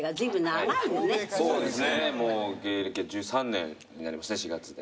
そうですねもう芸歴は１３年になりますね４月で。